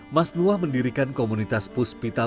masnuah mendirikan komunitas puspital